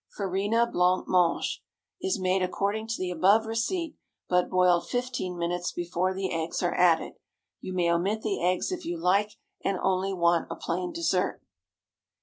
FARINA BLANC MANGE Is made according to the above receipt, but boiled fifteen minutes before the eggs are added. You may omit the eggs if you like, and only want a plain dessert.